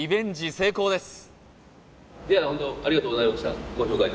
成功です